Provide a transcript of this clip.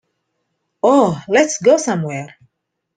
Oh, let's go somewhere!